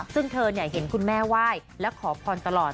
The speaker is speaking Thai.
ซึ่งเธอเห็นคุณแม่ไหว้และขอพรตลอด